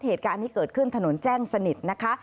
เหตุการณ์นี้เกิดขึ้นถนนแจ้งสนิทนะคะ